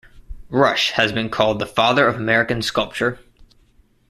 Rush has been called the Father of American Sculpture.